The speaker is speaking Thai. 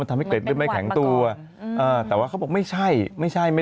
มันทำให้เกล็ดเลือดไม่แข็งตัวแต่ว่าเขาบอกไม่ใช่ไม่ใช่ไม่